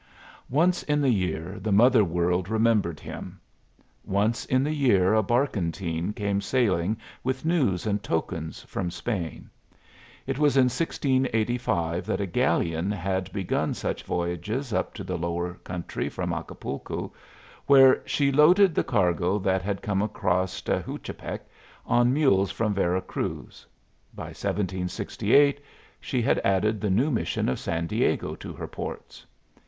Once in the year the mother world remembered him. Once in the year a barkentine came sailing with news and tokens from Spain. It was in 1685 that a galleon had begun such voyages up to the lower country from Acapulco, where she loaded the cargo that had come across Tehuantepec on mules from Vera Cruz. By 1768 she had added the new mission of San Diego to her ports.